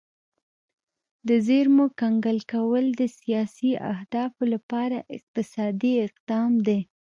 د زیرمو کنګل کول د سیاسي اهدافو لپاره اقتصادي اقدام دی